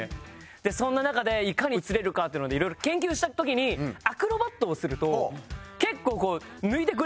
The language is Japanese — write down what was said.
そんな中でいかに映れるかっていうので色々研究した時にアクロバットをすると結構。